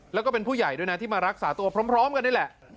แล้วก็เป็นผู้ใหญ่ด้วยนะที่มารักษาตัวพร้อมกันนี่แหละ